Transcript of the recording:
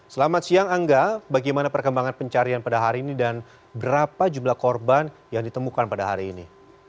selamat siang angga bagaimana perkembangan pencarian pada hari ini dan berapa jumlah korban yang ditemukan pada hari ini